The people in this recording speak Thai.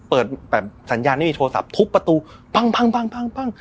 แบบสัญญาณไม่มีโทรศัพท์ทุบประตูปั้ง